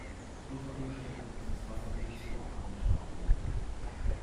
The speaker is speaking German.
Unter Umständen muss das Wasser hierzu auch angestaut werden.